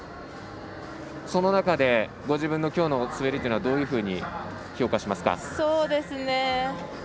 その中でご自分の今日の滑りはどういうふうに評価しますか。